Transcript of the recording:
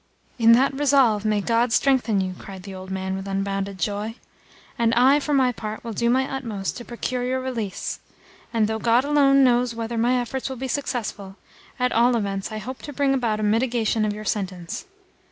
"In that resolve may God strengthen you!" cried the old man with unbounded joy. "And I, for my part, will do my utmost to procure your release. And though God alone knows whether my efforts will be successful, at all events I hope to bring about a mitigation of your sentence.